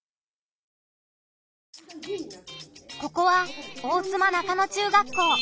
ここは大妻中野中学校。